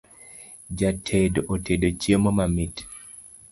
Jatedo otedo chiemo mamit